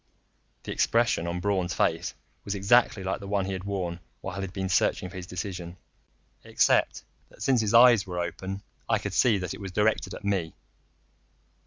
The expression on Braun's face was exactly like the one he had worn while he had been searching for his decision except that, since his eyes were open, I could see that it was directed at me.